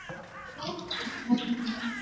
Tufike kwa jirani